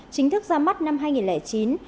chính thức ra mắt năm hai nghìn chín